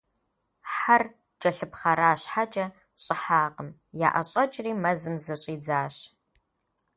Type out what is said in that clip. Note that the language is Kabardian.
Хьэр кӏэлъыпхъэра щхьэкӏэ, щӏыхьакъым - яӏэщӏэкӏри, мэзым зыщӏидзащ.